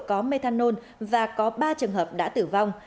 có methanol và có ba trường hợp đã tử vong